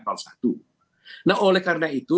nah oleh karena itu